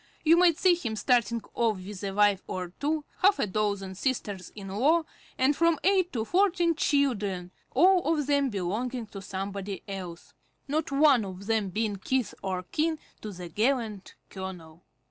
You might see him starting off with a wife or two, half a dozen sisters in law, and from eight to fourteen children, all of them belonging to somebody else; not one of them being kith or kin to the gallant colonel.